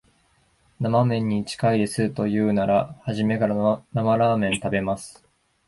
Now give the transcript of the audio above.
生めんに近いですと言うなら、初めから生ラーメン食べます